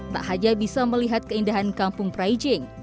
tak hanya bisa melihat keindahan kampung praijing